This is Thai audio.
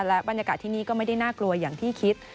และบรรยากาศที่นี่ก็ไม่ได้น่ากลัวอย่างที่คิด